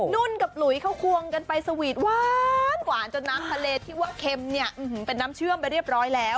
นุ่นกับหลุยเขาควงกันไปสวีทหวานจนน้ำทะเลที่ว่าเค็มเนี่ยเป็นน้ำเชื่อมไปเรียบร้อยแล้ว